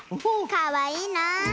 かわいいなあ。